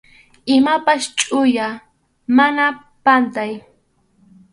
Imapas chʼuya, mana pantay.